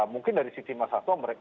mungkin dari sisi mas hasto